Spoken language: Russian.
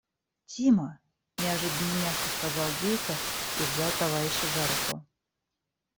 – Тима! – неожиданно мягко сказал Гейка и взял товарища за руку.